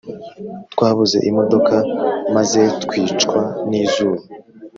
twabuze imodoka mazetwicwa n’izuba